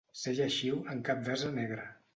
Ser lleixiu en cap d'ase negre.